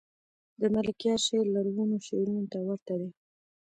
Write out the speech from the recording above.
دملکیار شعر لرغونو شعرونو ته ورته دﺉ.